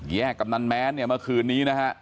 กำนันแม้นเนี่ยเมื่อคืนนี้นะฮะ